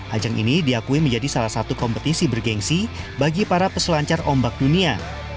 ajang ini diakui menjadi salah satu kompetisi bergensi bagi para peselancar ombak dunia